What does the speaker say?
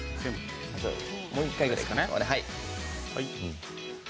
もう１回ぐらいですかね。